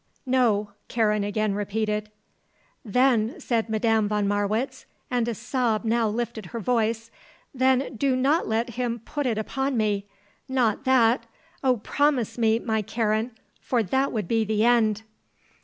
"No," Karen again repeated. "Then," said Madame von Marwitz, and a sob now lifted her voice, "then do not let him put it upon me. Not that! Oh promise me, my Karen! For that would be the end."